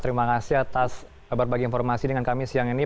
terima kasih atas berbagi informasi dengan kami siang ini